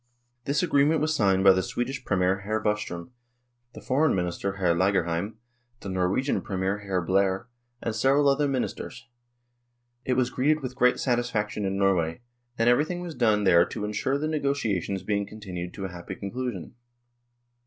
This agreement was signed by the Swedish Premier 74 NORWAY AND THE UNION WITH SWEDEN Hr. Bostrom, the Foreign Minister Hr. Lagerheim, the Norwegian Premier Hr. Blehr, and several other mini sters. It was greeted with great satisfaction in Norway, and everything was done there to ensure the negotia tions being continued to a happy conclusion.